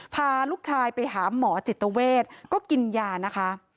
พาลูกชายไปหาหมอจิตเวทก็กินยานะคะ